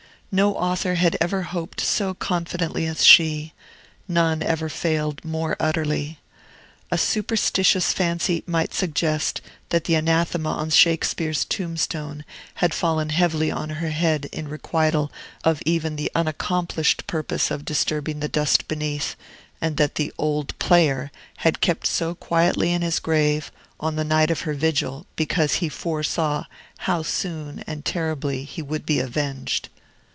No author had ever hoped so confidently as she; none ever failed more utterly. A superstitious fancy might suggest that the anathema on Shakespeare's tombstone had fallen heavily on her head in requital of even the unaccomplished purpose of disturbing the dust beneath, and that the "Old Player" had kept so quietly in his grave, on the night of her vigil, because he foresaw how soon and terribly he would be avenged.